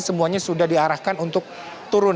semuanya sudah diarahkan untuk turun